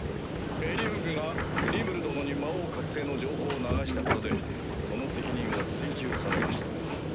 エリューンがリムル殿に魔王覚醒の情報を流したことでその責任を追及されましてな。